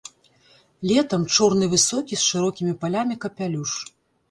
Летам чорны высокі з шырокімі палямі капялюш.